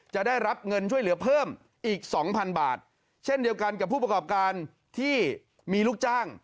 จะได้รับเงินช่วยเหลือเพิ่มอีกสองพันบาทเช่นเดียวกันกับผู้ประกอบการที่มีลูกจ้าง